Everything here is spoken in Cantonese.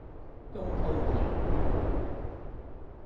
中秋節